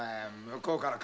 向こうから？